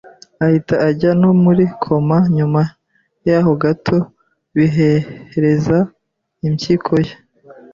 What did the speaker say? ahita ajya no muri koma, nyuma yaho gato bihereza impyiko ye